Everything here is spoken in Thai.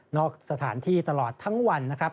สถานที่ตลอดทั้งวันนะครับ